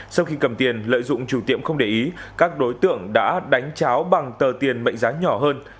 sau khi cầm tiền lợi dụng chủ tiệm không để ý các đối tượng đã đánh cháo bằng tờ tiền mệnh giá nhỏ hơn